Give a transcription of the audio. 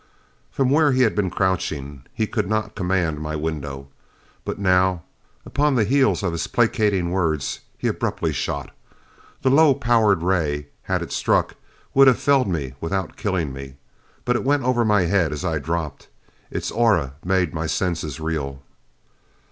From where he had been crouching he could not command my window. But now, upon the heels of his placating words, he abruptly shot. The low powered ray, had it struck, would have felled me without killing me. But it went over my head as I dropped. Its aura made my senses reel.